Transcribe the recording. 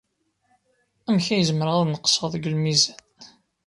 Amek ay zemreɣ ad neqseɣ deg lmizan?